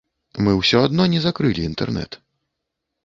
Мы ўсё адно не закрылі інтэрнэт.